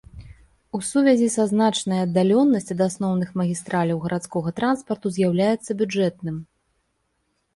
У сувязі са значнай аддаленасць ад асноўных магістраляў гарадскога транспарту з'яўляецца бюджэтным.